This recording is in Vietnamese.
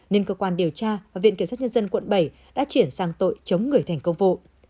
nên cơ quan điều tra và viện kiểm sát nhân dân quận bảy đã chuyển sang tội chống người thành công vụ